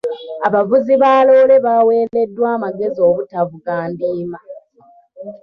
Abavuzi ba loole baaweereddwa amagezi obutavuga ndiima.